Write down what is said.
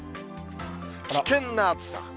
危険な暑さ。